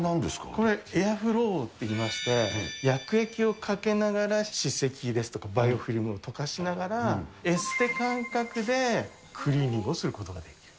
これ、エアフローっていいまして、薬液をかけながら歯石ですとかバイオフィルムを溶かしながら、エステ感覚でクリーニングをすることができる。